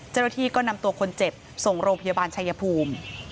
เจ้าที่นำตัวคนเจ็บส่งโรงพยาบาลชัยยภูมิ